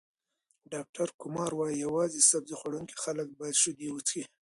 ډاکټر کمار وايي، یوازې سبزۍ خوړونکي خلک باید شیدې وڅښي.